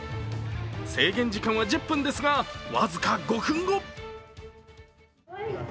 制限時間は１０分ですが僅か５分後。